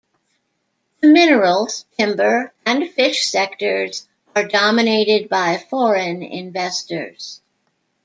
The minerals, timber, and fish sectors are dominated by foreign investors.